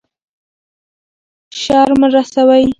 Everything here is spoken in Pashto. شر مه رسوئ.